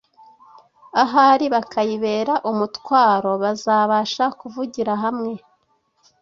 ahari bakayibera umutwaro, bazabasha kuvugira hamwe